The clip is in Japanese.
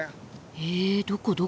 えどこどこ？